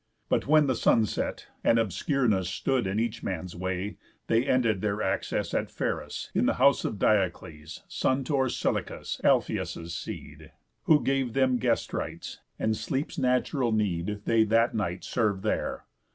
But when the sun set, and obscureness stood In each man's way, they ended their access At Pheras, in the house of Diocles, Son to Orsilochus, Alphëus' seed, Who gave them guest rites; and sleep's natural need They that night served there.